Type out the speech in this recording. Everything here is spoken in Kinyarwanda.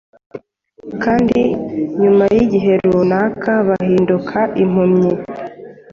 kandi nyuma y’igihe runaka, bahinduka impumyi